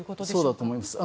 そうだと思います。